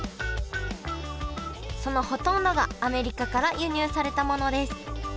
そのほとんどがアメリカから輸入されたものです